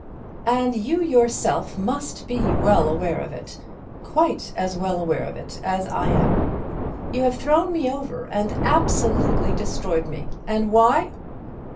"And you yourself must be well aware of it, quite as well aware of it as I am. You have thrown me over and absolutely destroyed me; and why?"